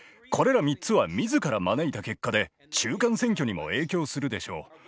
これら３つは自ら招いた結果で中間選挙にも影響するでしょう。